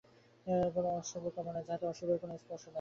এমন কোন শুভ কর্ম নাই, যাহাতে অশুভের কোন স্পর্শ নাই।